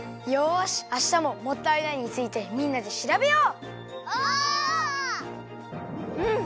よしあしたも「もったいない」についてみんなでしらべよう！